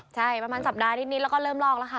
ใช่ประมาณสัปดาห์นิดแล้วก็เริ่มลอกแล้วค่ะ